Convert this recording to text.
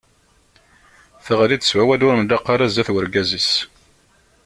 Teɣli-d s wawal ur nlaq ara sdat urgaz-is.